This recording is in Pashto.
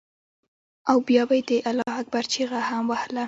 او بيا به یې د الله اکبر چیغه هم وهله.